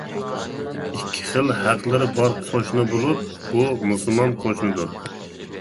ئىككى خىل ھەقلىرى بار قوشنا بولۇپ، بۇ مۇسۇلمان قوشنىدۇر.